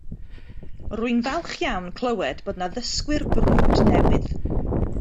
Rwy'n falch iawn clywed bod 'na ddysgwyr brwd newydd